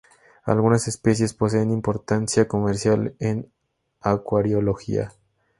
Algunas especies poseen importancia comercial en acuariología.